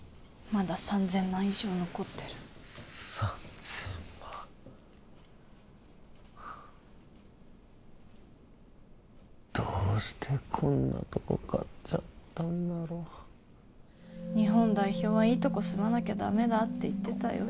まだ３０００万以上残ってる３０００万どうしてこんなとこ買っちゃったんだろ日本代表はいいとこ住まなきゃダメだって言ってたよ